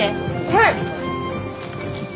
はい。